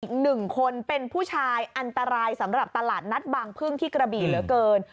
อีกหนึ่งคนเป็นผู้ชายอันตรายสำหรับตลาดนัดบางพึ่งที่กระบี่เหลือเกิน